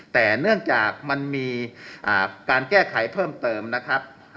แต่เนื่องจากมันมีการแก้ไขเพิ่มเติมนะครับ